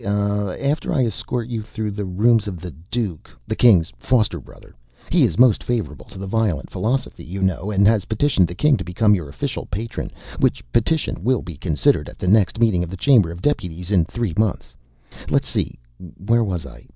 After I escort you through the rooms of the Duke, the King's foster brother he is most favorable to the Violent Philosophy, you know, and has petitioned the King to become your official patron, which petition will be considered at the next meeting of the Chamber of Deputies in three months let's see, where was I?